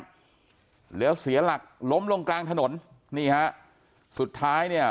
แล้วเสียหลักล้มลงกลางถนนนี่ฮะสุดท้ายเนี่ย